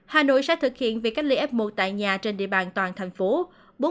hà nội sẽ thực hiện việc cách ly f một tại nhà trên địa bàn toàn thành phố